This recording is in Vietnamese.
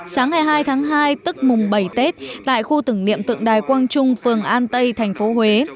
sáng ngày hai tháng hai tức mùng bảy tết tại khu tưởng niệm tượng đài quang trung phường an tây thành phố huế